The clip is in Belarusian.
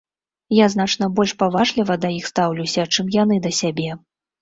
Я значна больш паважліва да іх стаўлюся, чым яны да сябе.